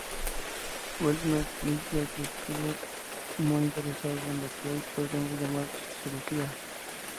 Wilhelm Dilthey estuvo muy interesado en lo que hoy podríamos llamar sociología.